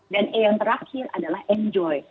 dan e yang terakhir adalah enjoy